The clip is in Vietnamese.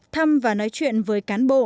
thăm và nói chuyện với cán bộ